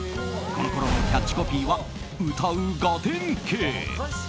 このころのキャッチコピーは歌うガテン系。